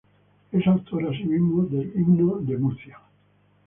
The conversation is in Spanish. Es autor asimismo del "Himno a Murcia".